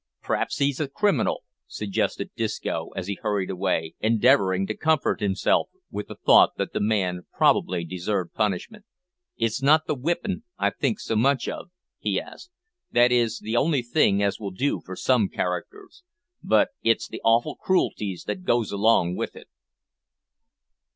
"Pra'ps he's a criminal," suggested Disco, as he hurried away, endeavouring to comfort himself with the thought that the man probably deserved punishment. "It's not the whippin' I think so much of," he added; "that is the only thing as will do for some characters, but it's the awful cruelties that goes along with it."